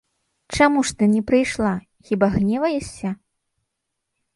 Чаму ж ты не прыйшла, хіба гневаешся?